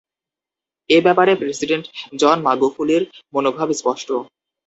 এ ব্যাপারে president John মাগুফুলির মনোভাব স্পষ্ট।